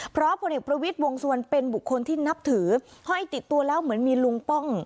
เพราะผลเอกประวิทย์วงสุวรรณเป็นบุคคลที่นับถือห้อยติดตัวแล้วเหมือนมีลุงป้อง